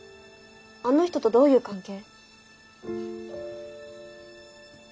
あの人とどういう関係？